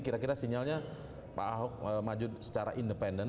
kira kira sinyalnya pak ahok maju secara independen